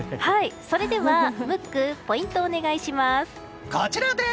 それではムック、ポイントをお願いします。